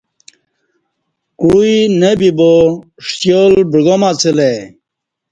کوعی نہ بیبا ݜیال بعگام اڅہ لہ ای